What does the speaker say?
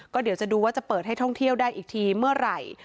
ก็เดี๋ยวจะดูว่าจะเปิดให้ท่องเที่ยวได้อีกทีเมื่อไหร่